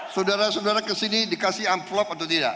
saudara saudara kesini dikasih amplop atau tidak